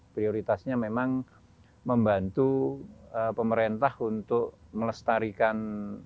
prioritasnya memang membantu pemerintah untuk melestarikan